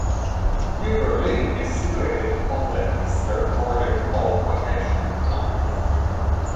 New Berlin is situated on the eastern border of Waukesha County.